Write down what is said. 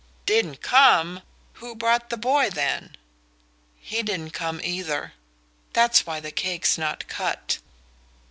"Didn't come? Who brought the boy, then?" "He didn't come either. That's why the cake's not cut."